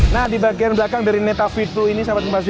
nah di bagian belakang dari leta v dua ini